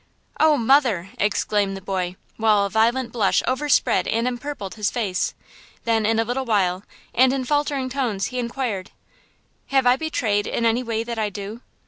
"Oh, mother!" exclaimed the boy, while a violent blush overspread and empurpled his face! Then in a little while and in faltering tones he inquired. "Have I betrayed, in any way, that I do?"